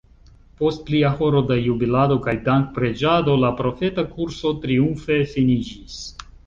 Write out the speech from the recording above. Post plia horo da jubilado kaj dankpreĝado la profeta kurso triumfe finiĝis.